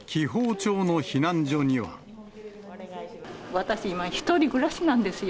私、今、１人暮らしなんですよ。